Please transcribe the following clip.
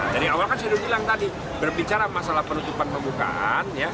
jadi awal kan saya udah bilang tadi berbicara masalah penutupan pembukaan